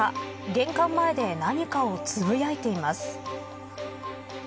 玄関前で何かをつぶやいています。